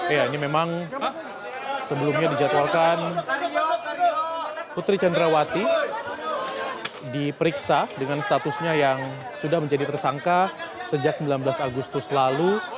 ya ini memang sebelumnya dijadwalkan putri candrawati diperiksa dengan statusnya yang sudah menjadi tersangka sejak sembilan belas agustus lalu